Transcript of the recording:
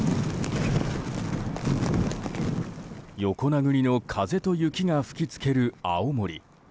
横殴りの風と雪が吹き付ける青森。